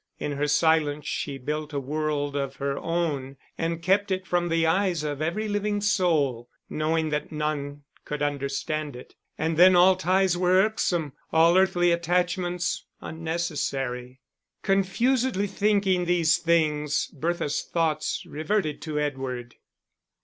In her silence she built a world of her own, and kept it from the eyes of every living soul, knowing that none could understand it. And then all ties were irksome, all earthly attachments unnecessary. Confusedly thinking these things, Bertha's thoughts reverted to Edward.